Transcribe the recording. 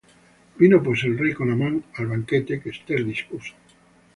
Vino pues el rey con Amán al banquete que Esther dispuso.